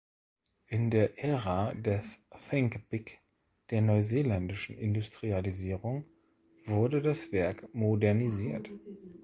In der Ära des 'Think Big' der neuseeländischen Industrialisierung wurde das Werk modernisiert.